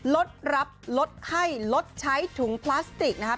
ลดรับลดไข้ลดใช้ถุงพลาสติกนะครับ